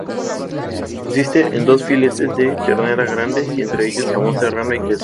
Consiste en dos filetes de ternera grandes y entre ellos jamón serrano y queso.